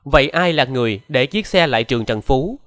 vậy ai là người để chiếc xe lại trường trần phú